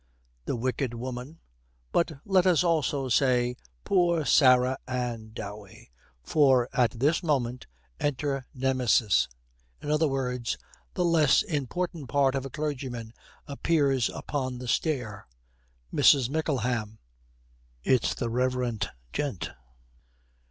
The wicked woman: but let us also say 'Poor Sarah Ann Dowey.' For at this moment, enter Nemesis. In other words, the less important part of a clergyman appears upon the stair. MRS. MICKLEHAM. 'It's the reverent gent!'